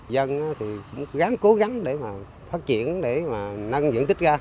dân thì gánh cố gắng để mà phát triển để mà nâng dưỡng tích ra